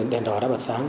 đèn đỏ đã bật sáng